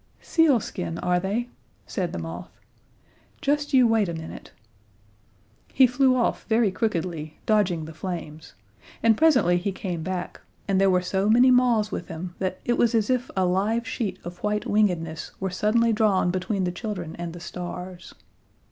"Sealskin, are they?" said the moth. "Just you wait a minute!" He flew off very crookedly, dodging the flames, and presently he came back, and there were so many moths with him that it was as if a live sheet of white wingedness were suddenly drawn between the children and the stars.